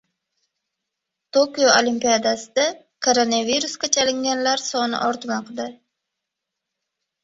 Tokio Olimpiadasida koronavirusga chalinganlar soni ortmoqda